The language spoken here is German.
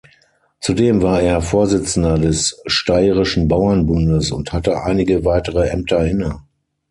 Zudem war er Vorsitzender des "Steirischen Bauernbundes" und hatte einige weitere Ämter inne.